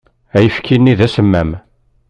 Ayefki-nni d asemmam.